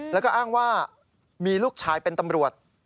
แล้วก็อ้างว่ามีลูกชายเป็นตำรวจ